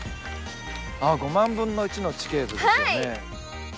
あっ５万分の１の地形図ですよね。